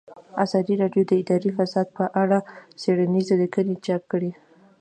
ازادي راډیو د اداري فساد په اړه څېړنیزې لیکنې چاپ کړي.